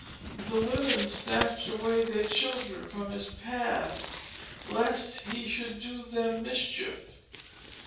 The women snatched away their children from his path, lest he should do them a mischief.